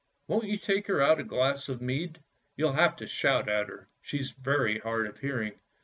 Won't you take her out a glass of mead ? You'll have to shout at her, she's very hard of hearing."